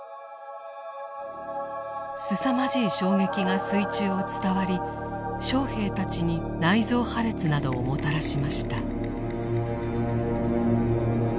すさまじい衝撃が水中を伝わり将兵たちに内臓破裂などをもたらしました。